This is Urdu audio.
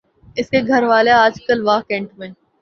اس کے گھر والے آجکل واہ کینٹ میں